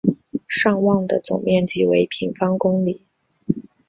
尚旺的总面积为平方公里。